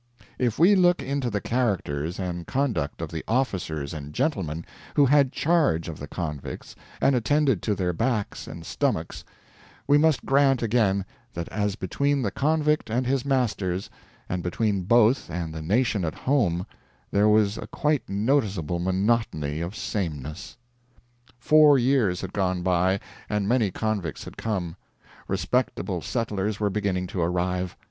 If we look into the characters and conduct of the officers and gentlemen who had charge of the convicts and attended to their backs and stomachs, we must grant again that as between the convict and his masters, and between both and the nation at home, there was a quite noticeable monotony of sameness. Four years had gone by, and many convicts had come. Respectable settlers were beginning to arrive.